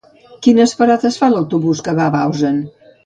Quines parades fa l'autobús que va a Bausen?